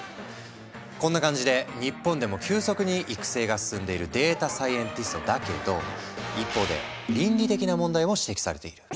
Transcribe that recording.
こんな感じで日本でも急速に育成が進んでいるデータサイエンティストだけど一方で倫理的な問題も指摘されている。